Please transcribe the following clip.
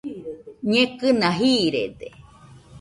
Ñekɨna jiiride